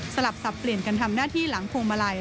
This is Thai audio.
สลับสับเปลี่ยนกันทำหน้าที่หลังพวงมาลัย